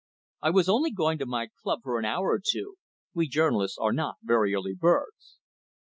"I was only going on to my club for an hour or two. We journalists are not very early birds."